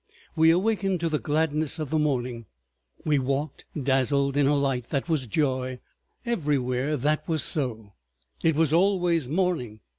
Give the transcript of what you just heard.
We awakened to the gladness of the morning; we walked dazzled in a light that was joy. Everywhere that was so. It was always morning.